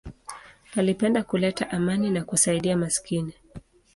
Alipenda kuleta amani na kusaidia maskini.